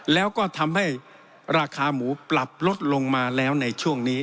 แล้วก็ทำให้ราคาหมูปรับลดลงมาแล้วในช่วงนี้